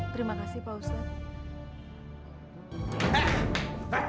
terima kasih pak ustadz